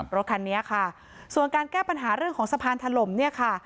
รถคันนี้ค่ะส่วนการแก้ปัญหาเรื่องของสะพานถล่มเนี่ยค่ะ